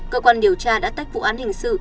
cơ quan điều tra đã tách vụ án hình sự